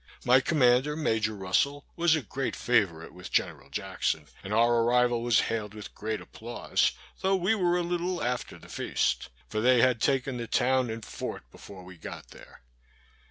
My commander, Major Russel, was a great favourite with Gen'l. Jackson, and our arrival was hailed with great applause, though we were a little after the feast; for they had taken the town and fort before we got there.